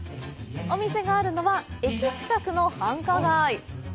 お店があるのは駅近くの繁華街。